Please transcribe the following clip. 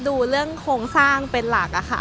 ดูเรื่องโครงสร้างเป็นหลักค่ะ